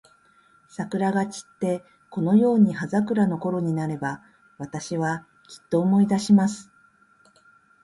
桜が散って、このように葉桜のころになれば、私は、きっと思い出します。